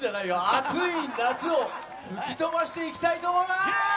暑い夏を吹き飛ばしていきたいと思います！